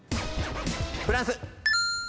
フランス。